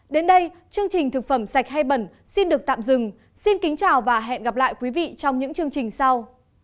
đến đây chương trình thực phẩm sạch hay bẩn xin được tạm dừng xin kính chào và hẹn gặp lại quý vị trong những chương trình sau